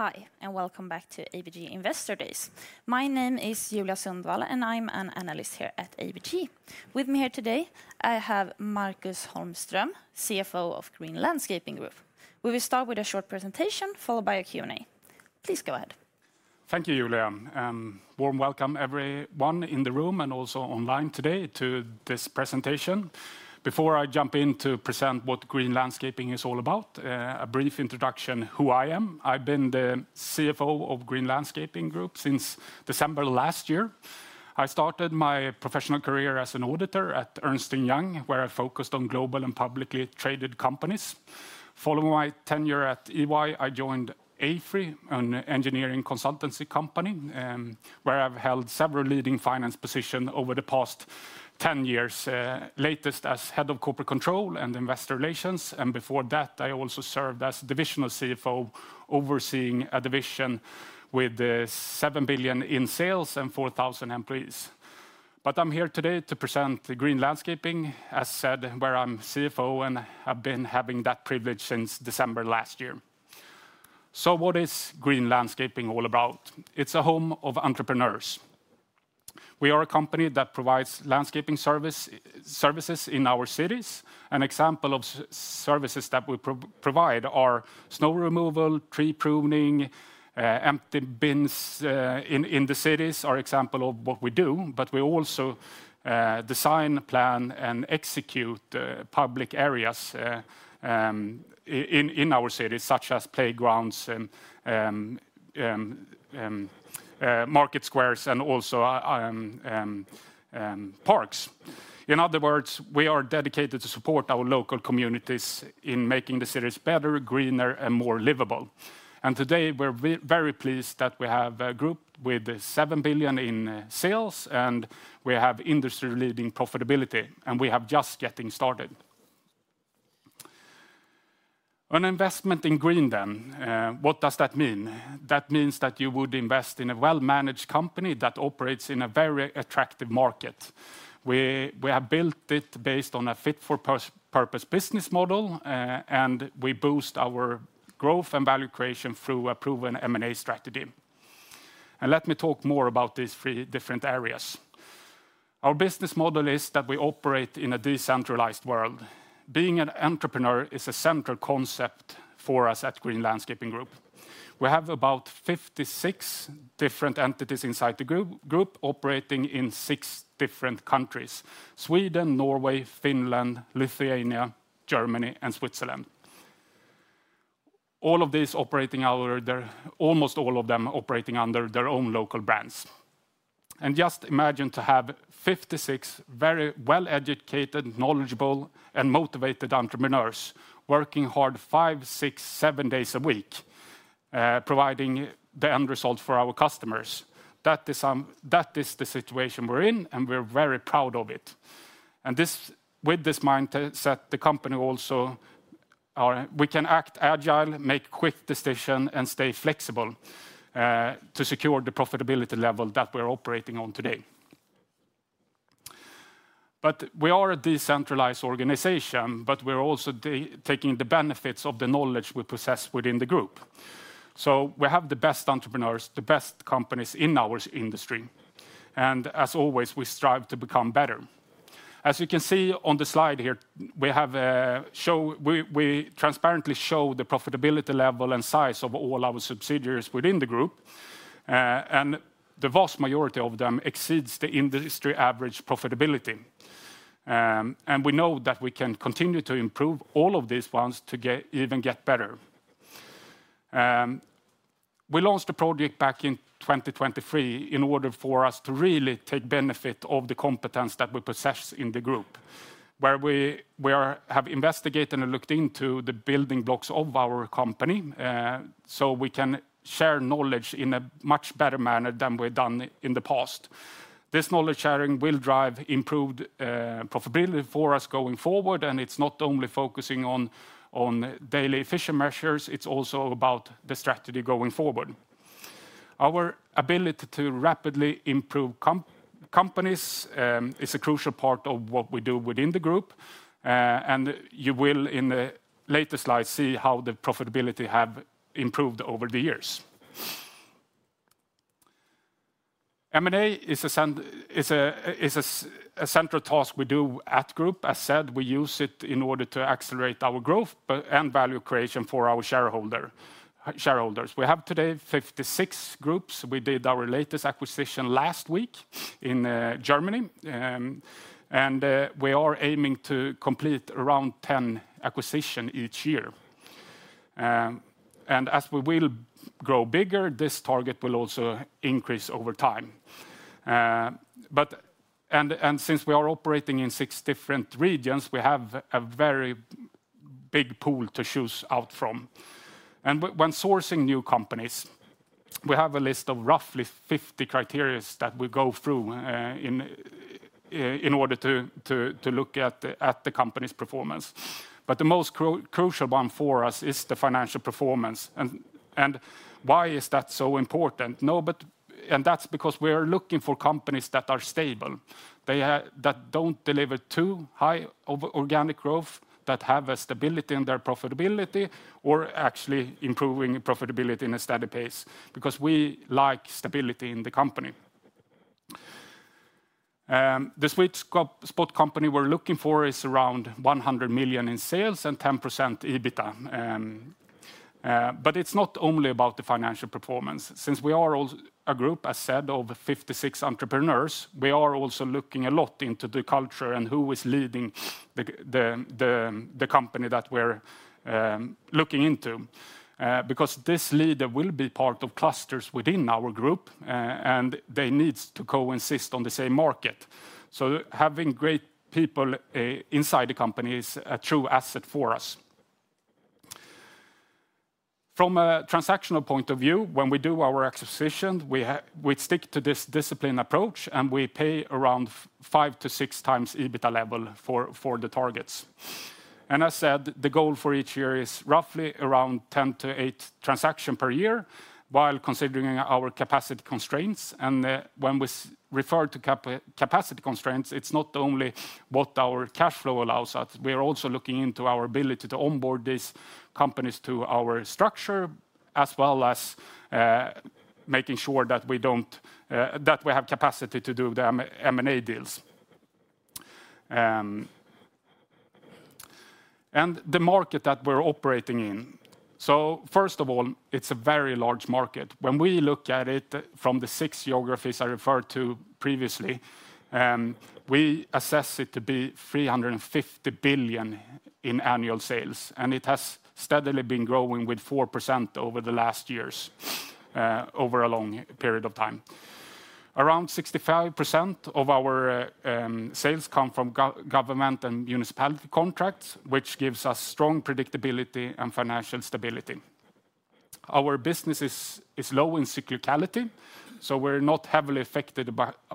Hi, and welcome back to ABG Investor Days. My name is Julia Sundvall, and I'm an analyst here at ABG. With me here today, I have Marcus Holmström, CFO of Green Landscaping Group. We will start with a short presentation, followed by a Q&A. Please go ahead. Thank you, Julia. Warm welcome, everyone in the room and also online today, to this presentation. Before I jump in to present what Green Landscaping is all about, a brief introduction: who I am. I've been the CFO of Green Landscaping Group since December last year. I started my professional career as an auditor at Ernst & Young, where I focused on global and publicly traded companies. Following my tenure at EY, I joined AFRY, an engineering consultancy company, where I've held several leading finance positions over the past 10 years, latest as Head of Corporate Control and Investor Relations. I also served as divisional CFO, overseeing a division with 7 billion in sales and 4,000 employees. I'm here today to present Green Landscaping, as said, where I'm CFO and have been having that privilege since December last year. What is Green Landscaping all about? It's a home of entrepreneurs. We are a company that provides landscaping services in our cities. An example of services that we provide are snow removal, tree pruning, empty bins in the cities are an example of what we do. We also design, plan, and execute public areas in our cities, such as playgrounds, market squares, and also parks. In other words, we are dedicated to support our local communities in making the cities better, greener, and more livable. Today, we're very pleased that we have a group with 7 billion in sales, and we have industry-leading profitability, and we are just getting started. An investment in green, then. What does that mean? That means that you would invest in a well-managed company that operates in a very attractive market. We have built it based on a fit-for-purpose business model, and we boost our growth and value creation through a proven M&A strategy. Let me talk more about these three different areas. Our business model is that we operate in a decentralized world. Being an entrepreneur is a central concept for us at Green Landscaping Group. We have about 56 different entities inside the group operating in six different countries: Sweden, Norway, Finland, Lithuania, Germany, and Switzerland. Almost all of these operate under their own local brands. Just imagine having 56 very well-educated, knowledgeable, and motivated entrepreneurs working hard five, six, seven days a week, providing the end result for our customers. That is the situation we are in, and we are very proud of it. With this mindset, the company also—we can act agile, make quick decisions, and stay flexible to secure the profitability level that we're operating on today. We are a decentralized organization, but we're also taking the benefits of the knowledge we possess within the group. We have the best entrepreneurs, the best companies in our industry. As always, we strive to become better. As you can see on the slide here, we transparently show the profitability level and size of all our subsidiaries within the group. The vast majority of them exceeds the industry average profitability. We know that we can continue to improve all of these ones to even get better. We launched the project back in 2023 in order for us to really take benefit of the competence that we possess in the group, where we have investigated and looked into the building blocks of our company so we can share knowledge in a much better manner than we've done in the past. This knowledge sharing will drive improved profitability for us going forward, and it's not only focusing on daily efficient measures, it's also about the strategy going forward. Our ability to rapidly improve companies is a crucial part of what we do within the group. You will, in the later slides, see how the profitability has improved over the years. M&A is a central task we do at the group. As said, we use it in order to accelerate our growth and value creation for our shareholders. We have today 56 groups. We did our latest acquisition last week in Germany. We are aiming to complete around 10 acquisitions each year. As we grow bigger, this target will also increase over time. Since we are operating in six different regions, we have a very big pool to choose out from. When sourcing new companies, we have a list of roughly 50 criteria that we go through in order to look at the company's performance. The most crucial one for us is the financial performance. Why is that so important? That's because we are looking for companies that are stable, that do not deliver too high organic growth, that have a stability in their profitability, or actually improving profitability at a steady pace. We like stability in the company. The sweet spot company we're looking for is around 100 million in sales and 10% EBITDA. It is not only about the financial performance. Since we are a group, as said, of 56 entrepreneurs, we are also looking a lot into the culture and who is leading the company that we are looking into. Because this leader will be part of clusters within our group, and they need to coexist on the same market. Having great people inside the company is a true asset for us. From a transactional point of view, when we do our acquisition, we stick to this disciplined approach, and we pay around five-six times EBITDA level for the targets. As said, the goal for each year is roughly around 8-10 transactions per year, while considering our capacity constraints. When we refer to capacity constraints, it's not only what our cash flow allows, but we are also looking into our ability to onboard these companies to our structure, as well as making sure that we have capacity to do the M&A deals. The market that we're operating in is a very large market. When we look at it from the six geographies I referred to previously, we assess it to be 350 billion in annual sales, and it has steadily been growing with 4% over the last years, over a long period of time. Around 65% of our sales come from government and municipality contracts, which gives us strong predictability and financial stability. Our business is low in cyclicality, so we're not heavily affected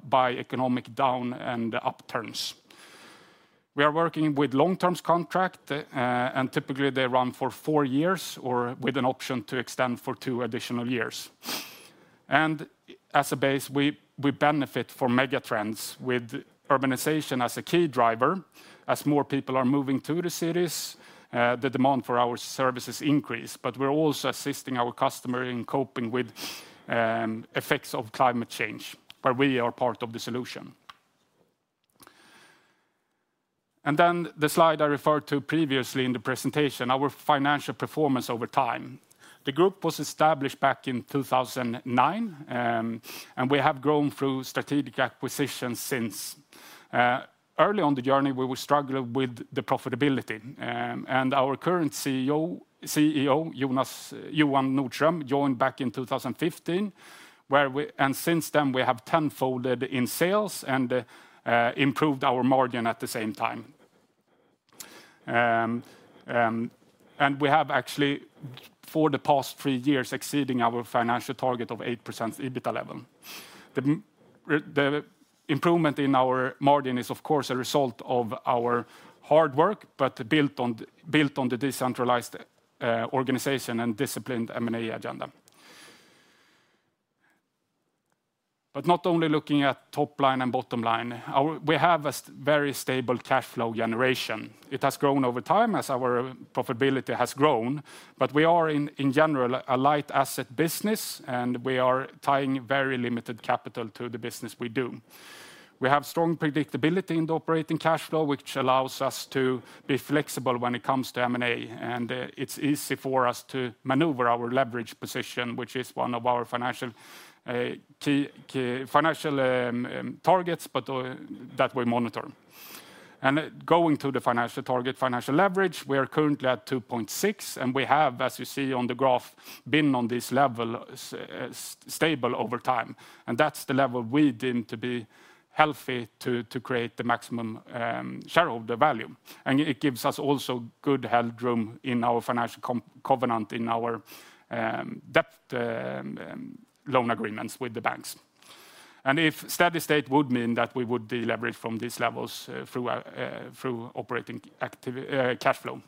by economic down and up turns. We are working with long-term contracts, and typically they run for four years or with an option to extend for two additional years. As a base, we benefit from megatrends with urbanization as a key driver. As more people are moving to the cities, the demand for our services increases, but we are also assisting our customers in coping with effects of climate change, where we are part of the solution. The slide I referred to previously in the presentation, our financial performance over time. The group was established back in 2009, and we have grown through strategic acquisitions since. Early on the journey, we were struggling with the profitability. Our current CEO, Johan Nordström, joined back in 2015, and since then we have tenfolded in sales and improved our margin at the same time. We have actually, for the past three years, exceeded our financial target of 8% EBITDA level. The improvement in our margin is, of course, a result of our hard work, but built on the decentralized organization and disciplined M&A agenda. Not only looking at top line and bottom line, we have a very stable cash flow generation. It has grown over time as our profitability has grown, but we are, in general, a light asset business, and we are tying very limited capital to the business we do. We have strong predictability in the operating cash flow, which allows us to be flexible when it comes to M&A, and it is easy for us to maneuver our leverage position, which is one of our financial targets that we monitor. Going to the financial target, financial leverage, we are currently at 2.6, and we have, as you see on the graph, been on this level stable over time. That is the level we deem to be healthy to create the maximum shareholder value. It gives us also good headroom in our financial covenant, in our debt loan agreements with the banks. If steady state would mean that we would deliver from these levels through operating cash flow.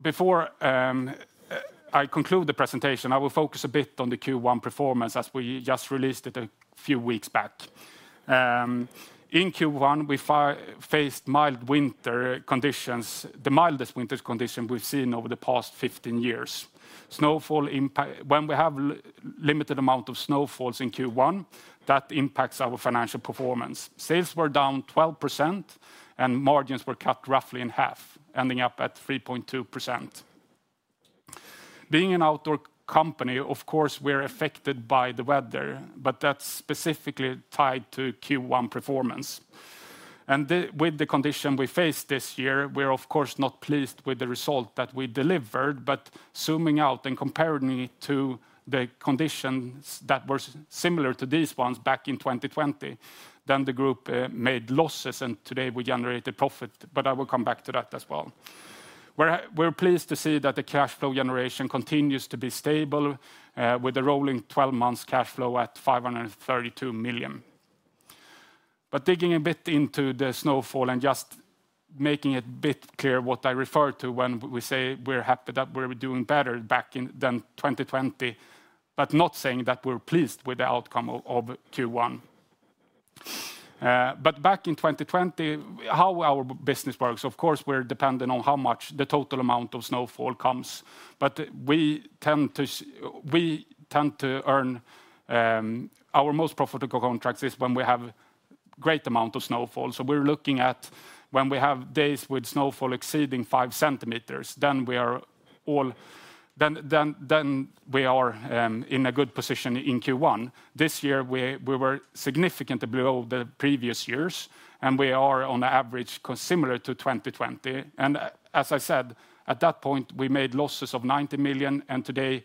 Before I conclude the presentation, I will focus a bit on the Q1 performance as we just released it a few weeks back. In Q1, we faced mild winter conditions, the mildest winter conditions we have seen over the past 15 years. Snowfall impacts when we have a limited amount of snowfalls in Q1, that impacts our financial performance. Sales were down 12%, and margins were cut roughly in half, ending up at 3.2%. Being an outdoor company, of course, we're affected by the weather, but that's specifically tied to Q1 performance. With the condition we faced this year, we're of course not pleased with the result that we delivered, but zooming out and comparing it to the conditions that were similar to these ones back in 2020, then the group made losses and today we generated profit, but I will come back to that as well. We're pleased to see that the cash flow generation continues to be stable with a rolling 12-month cash flow at 532 million. Digging a bit into the snowfall and just making it a bit clear what I refer to when we say we're happy that we're doing better back than 2020, but not saying that we're pleased with the outcome of Q1. Back in 2020, how our business works, of course, we're dependent on how much the total amount of snowfall comes. We tend to earn our most profitable contracts when we have a great amount of snowfall. We're looking at when we have days with snowfall exceeding 5 centimeters, then we are in a good position in Q1. This year, we were significantly below the previous years, and we are on average similar to 2020. As I said, at that point, we made losses of 90 million, and today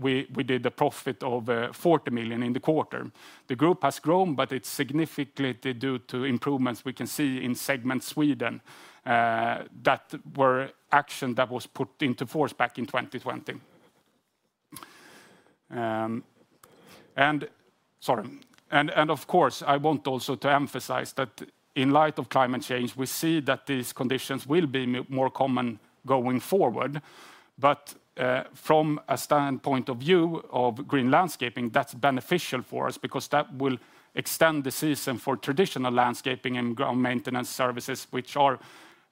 we did a profit of 40 million in the quarter. The group has grown, but it's significantly due to improvements we can see in segment Sweden that were action that was put into force back in 2020. Sorry. Of course, I want also to emphasize that in light of climate change, we see that these conditions will be more common going forward. From a standpoint of view of Green Landscaping Group, that's beneficial for us because that will extend the season for traditional landscaping and ground maintenance services, which are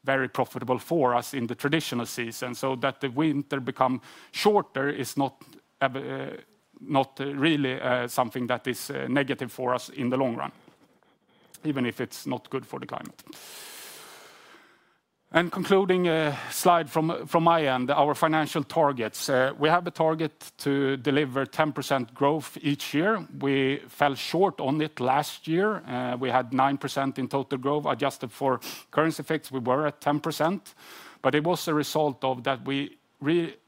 very profitable for us in the traditional season. The winter becomes shorter is not really something that is negative for us in the long run, even if it's not good for the climate. Concluding slide from my end, our financial targets. We have a target to deliver 10% growth each year. We fell short on it last year. We had 9% in total growth adjusted for currency fix. We were at 10%. It was a result of that we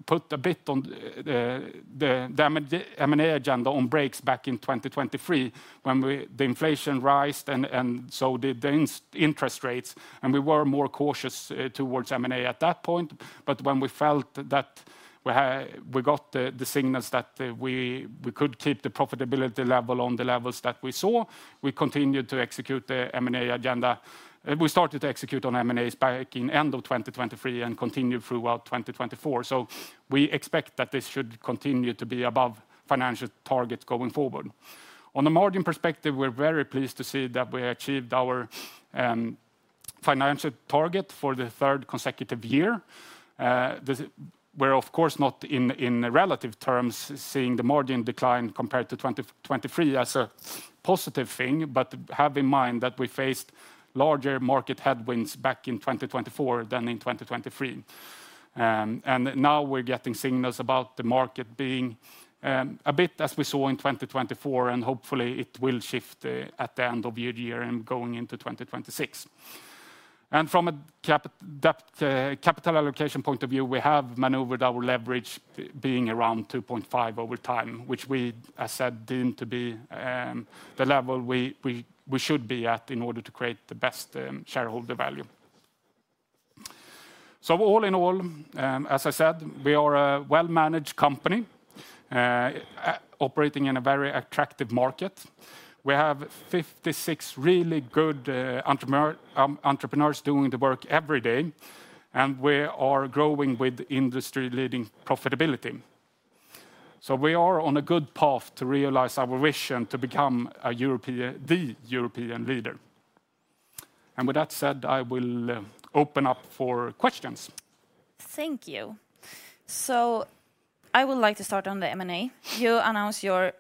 put a bit on the M&A agenda on breaks back in 2023 when the inflation raised and so did the interest rates. We were more cautious towards M&A at that point. When we felt that we got the signals that we could keep the profitability level on the levels that we saw, we continued to execute the M&A agenda. We started to execute on M&As back in the end of 2023 and continue throughout 2024. We expect that this should continue to be above financial targets going forward. On a margin perspective, we're very pleased to see that we achieved our financial target for the third consecutive year. We're of course not in relative terms seeing the margin decline compared to 2023 as a positive thing, but have in mind that we faced larger market headwinds back in 2024 than in 2023. We're getting signals about the market being a bit as we saw in 2024, and hopefully it will shift at the end of year and going into 2026. From a capital allocation point of view, we have maneuvered our leverage being around 2.5 over time, which we, as said, deem to be the level we should be at in order to create the best shareholder value. All in all, as I said, we are a well-managed company operating in a very attractive market. We have 56 really good entrepreneurs doing the work every day, and we are growing with industry-leading profitability. We are on a good path to realize our vision to become The European Leader. With that said, I will open up for questions. Thank you. I would like to start on the M&A. You announced your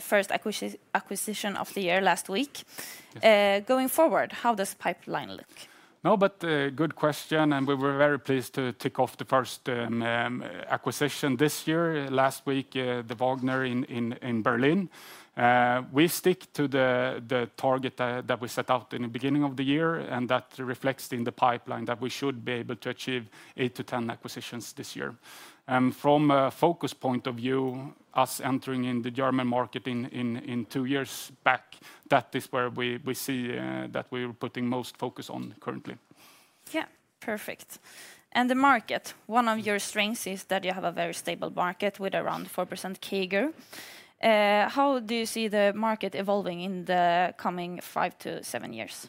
first acquisition of the year last week. Going forward, how does the pipeline look? Good question, and we were very pleased to tick off the first acquisition this year last week, the Wagner in Berlin. We stick to the target that we set out in the beginning of the year, and that reflects in the pipeline that we should be able to achieve 8-10 acquisitions this year. From a focus point of view, us entering in the German market two years back, that is where we see that we are putting most focus on currently. Yeah, perfect. The market, one of your strengths is that you have a very stable market with around 4% CAGR. How do you see the market evolving in the coming five to seven years?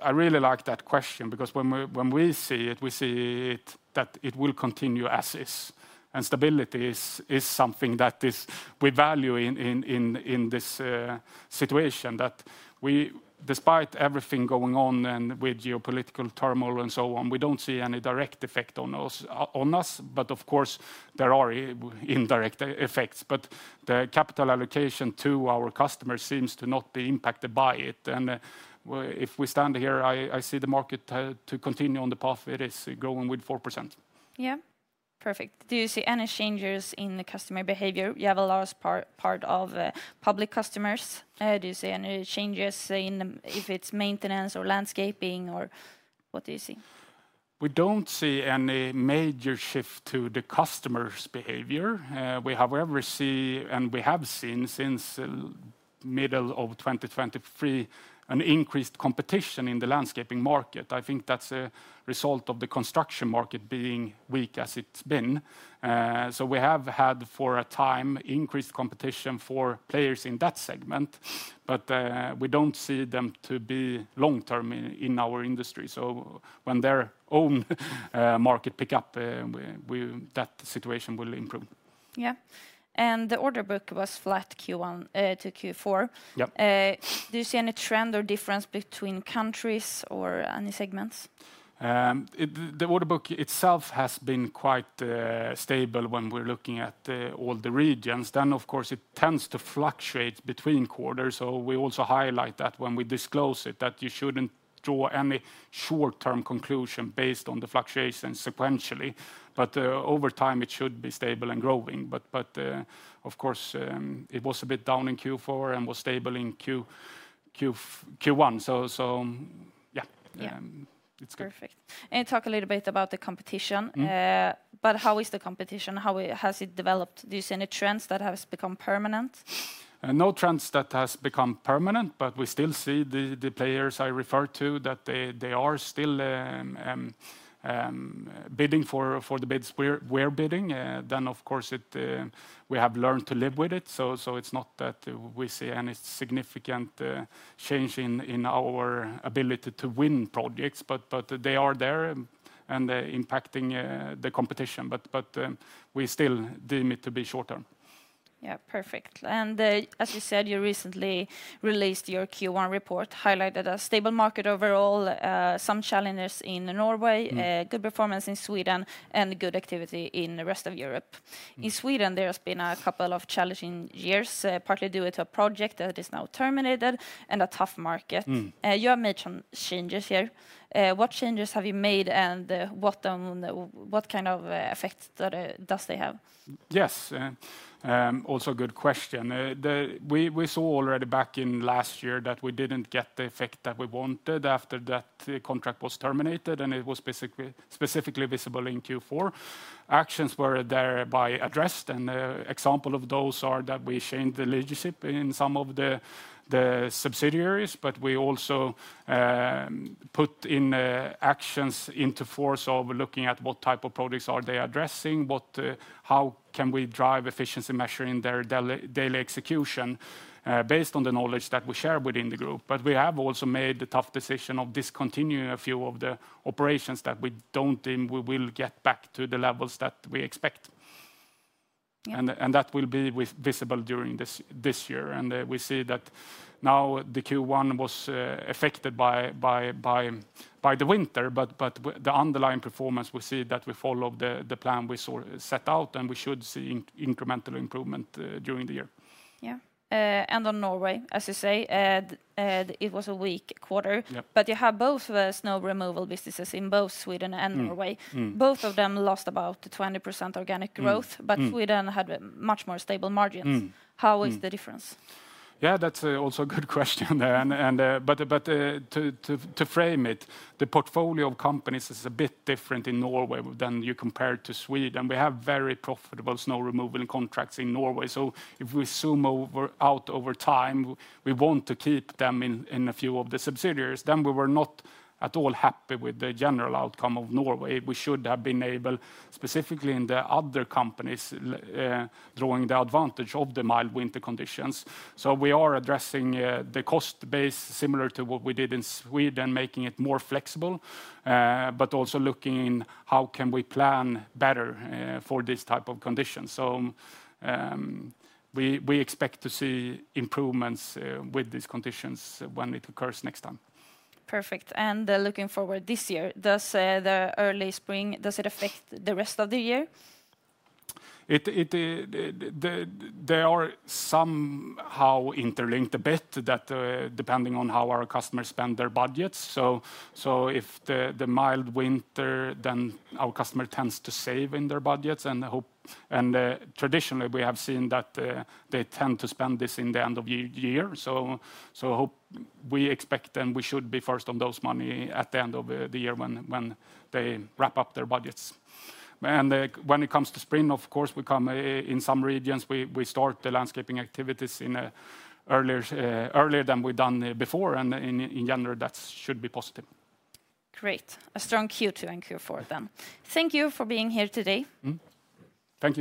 I really like that question because when we see it, we see that it will continue as is. Stability is something that we value in this situation that we, despite everything going on and with geopolitical turmoil and so on, we do not see any direct effect on us. Of course, there are indirect effects. The capital allocation to our customers seems to not be impacted by it. If we stand here, I see the market to continue on the path it is growing with 4%. Yeah, perfect. Do you see any changes in customer behavior? You have a large part of public customers. Do you see any changes in if it's maintenance or landscaping or what do you see? We don't see any major shift to the customer's behavior. We have ever seen, and we have seen since the middle of 2023, an increased competition in the landscaping market. I think that's a result of the construction market being weak as it's been. We have had for a time increased competition for players in that segment, but we don't see them to be long-term in our industry. When their own market picks up, that situation will improve. Yeah. The order book was flat Q1 to Q4. Do you see any trend or difference between countries or any segments? The order book itself has been quite stable when we're looking at all the regions. Of course, it tends to fluctuate between quarters. We also highlight that when we disclose it, you should not draw any short-term conclusion based on the fluctuation sequentially. Over time, it should be stable and growing. Of course, it was a bit down in Q4 and was stable in Q1. Yeah, it is good. Perfect. Talk a little bit about the competition. How is the competition? How has it developed? Do you see any trends that have become permanent? No trends that have become permanent, but we still see the players I referred to that they are still bidding for the bids we are bidding. Of course, we have learned to live with it. It is not that we see any significant change in our ability to win projects, but they are there and impacting the competition. We still deem it to be short-term. Yeah, perfect. As you said, you recently released your Q1 report, highlighted a stable market overall, some challenges in Norway, good performance in Sweden, and good activity in the rest of Europe. In Sweden, there has been a couple of challenging years, partly due to a project that is now terminated and a tough market. You have made some changes here. What changes have you made and what kind of effect does it have? Yes, also a good question. We saw already back in last year that we did not get the effect that we wanted after that contract was terminated, and it was specifically visible in Q4. Actions were thereby addressed, and examples of those are that we changed the leadership in some of the subsidiaries, but we also put in actions into force of looking at what type of projects are they addressing, how can we drive efficiency measuring their daily execution based on the knowledge that we share within the group. We have also made the tough decision of discontinuing a few of the operations that we do not deem we will get back to the levels that we expect. That will be visible during this year. We see that now the Q1 was affected by the winter, but the underlying performance, we see that we followed the plan we set out, and we should see incremental improvement during the year. Yeah. On Norway, as you say, it was a weak quarter, but you have both snow removal businesses in both Sweden and Norway. Both of them lost about 20% organic growth, but Sweden had much more stable margins. How is the difference? Yeah, that's also a good question. To frame it, the portfolio of companies is a bit different in Norway than you compare to Sweden. We have very profitable snow removal contracts in Norway. If we zoom out over time, we want to keep them in a few of the subsidiaries. We were not at all happy with the general outcome of Norway. We should have been able, specifically in the other companies, drawing the advantage of the mild winter conditions. We are addressing the cost base similar to what we did in Sweden, making it more flexible, but also looking in how can we plan better for this type of condition. We expect to see improvements with these conditions when it occurs next time. Perfect. Looking forward this year, does the early spring, does it affect the rest of the year? They are somehow interlinked a bit that depending on how our customers spend their budgets. If the mild winter, then our customer tends to save in their budgets. Traditionally, we have seen that they tend to spend this in the end of the year. We expect and we should be first on those money at the end of the year when they wrap up their budgets. When it comes to spring, of course, we come in some regions, we start the landscaping activities earlier than we've done before. In general, that should be positive. Great. A strong Q2 and Q4 then. Thank you for being here today. Thank you.